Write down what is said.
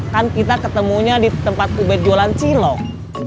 kan kita ketemunya di tempat ubed jualan cilok